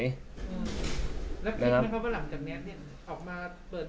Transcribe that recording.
แล้วคิดว่าหลังจากเนี้ยเนี้ยออกมาเปิดวงจร